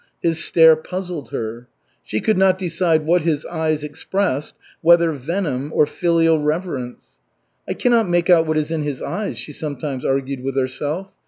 His stare puzzled her. She could not decide what his eyes expressed, whether venom or filial reverence. "I cannot make out what is in his eyes," she sometimes argued with herself.